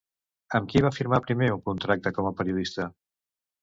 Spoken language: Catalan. Amb qui va firmar primer un contracte com a periodista?